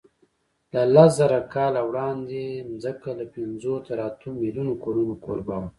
له لسزره کاله وړاندې ځمکه له پینځو تر اتو میلیونو کورونو کوربه وه.